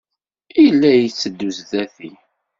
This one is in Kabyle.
Yella la yetteddu sdat-i.